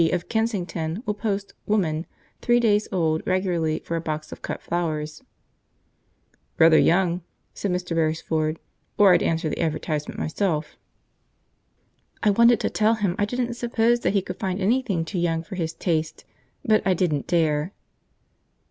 of Kensington, will post "Woman" three days old regularly for a box of cut flowers.'" "Rather young," said Mr. Beresford, "or I'd answer that advertisement myself." I wanted to tell him I didn't suppose that he could find anything too young for his taste, but I didn't dare.